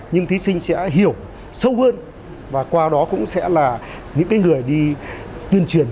nhưng thí sinh sẽ hiểu sâu hơn và qua đó cũng sẽ là những người đi tuyên truyền